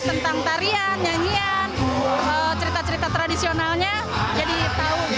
tentang tarian nyanyian cerita cerita tradisionalnya jadi tahu